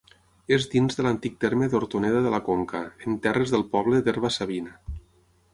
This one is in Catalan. És dins de l'antic terme d'Hortoneda de la Conca, en terres del poble d'Herba-savina.